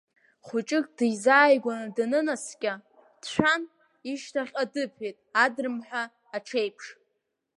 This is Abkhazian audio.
Хәыҷык дизааигәаны данынаскьа, дшәан, ишьҭахьҟа дыԥеит адрымҳәа аҽеиԥш.